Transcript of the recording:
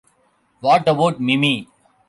What About Mimi?